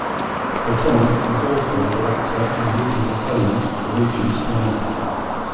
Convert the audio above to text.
Sir Thomas was also a Director and leading proponent of the Regent's Canal.